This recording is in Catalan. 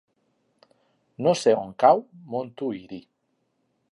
No sé on cau Montuïri.